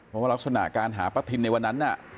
เพราะว่ารักษณะการหาป้าทินในวันนั้น